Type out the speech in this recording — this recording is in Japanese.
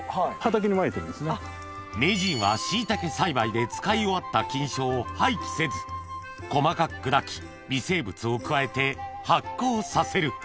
名人は椎茸栽培で使い終わった菌床を廃棄せず細かく砕き微生物を加えて発酵させる